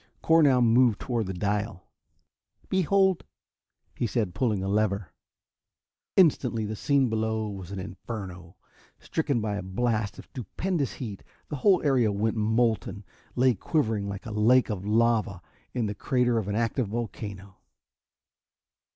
Cor now moved toward the dial. "Behold!" he said, pulling a lever. Instantly the scene below was an inferno. Stricken by a blast of stupendous heat, the whole area went molten, lay quivering like a lake of lava in the crater of an active volcano.